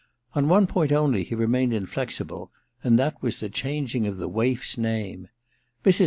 On one point only he remained inflexible ; and that was the changing of the waif's name. Mrs.